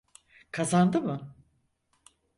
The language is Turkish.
Kazandı mı?